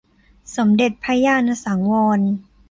สมเด็จพระญาณสังวร